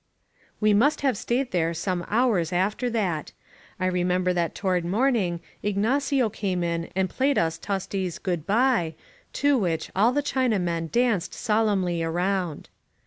We must have stayed there some hours after that. I remember that toward morning Ignacio came in and played us Tosti's "Good bye," to which all the China men danced solemnly around.